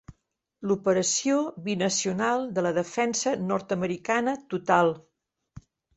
L"operació binacional de la Defensa nord-americana total.